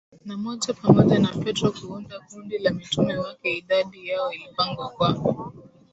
na moja pamoja na Petro kuunda kundi la mitume wake Idadi yao ilipangwa kwa